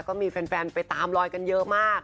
ก็มีแฟนไปตามลอยกันเยอะมาก